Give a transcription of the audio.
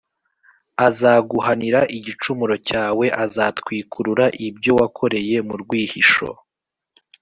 Azaguhanira igicumuro cyawe Azatwikurura ibyo wakoreye mu rwihisho